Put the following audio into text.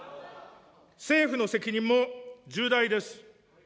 政府の責任も重大です。